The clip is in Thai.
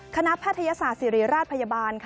แพทยศาสตร์ศิริราชพยาบาล